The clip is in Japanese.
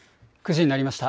９時になりました。